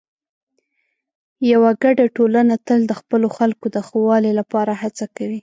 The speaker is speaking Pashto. یوه ګډه ټولنه تل د خپلو خلکو د ښه والي لپاره هڅه کوي.